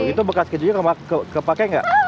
itu bekas kejunya kepake gak